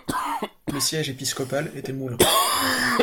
Le siège épiscopal était Moulins.